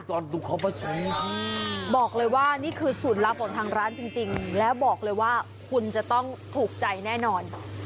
ดูเขามาใช้บอกเลยว่านี่คือสูตรลับของทางร้านจริงแล้วบอกเลยว่าคุณจะต้องถูกใจแน่นอน